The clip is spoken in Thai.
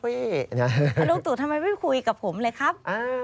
ลุงตู่ทำไมไม่คุยกับผมเลยครับ